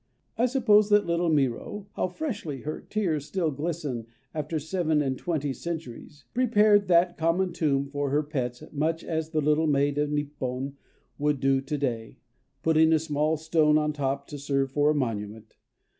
I suppose that little Myro (how freshly her tears still glisten, after seven and twenty centuries!) prepared that "common tomb" for her pets much as the little maid of Nippon would do to day, putting a small stone on top to serve for a monument.